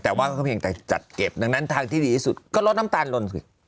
แต่ว่าก็เพียงแต่จัดเก็บดังนั้นทางที่ดีที่สุดก็ลดน้ำตาลลนสิ